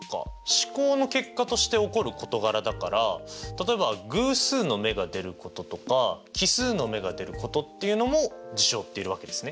試行の結果として起こることがらだから例えば偶数の目が出ることとか奇数の目が出ることっていうのも事象って言えるわけですね。